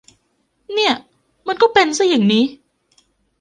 เนี่ย มันก็เป็นซะอย่างนี้